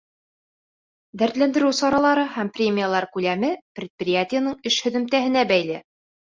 Дәртләндереү саралары һәм премиялар күләме предприятиеның эш һөҙөмтәһенә бәйле.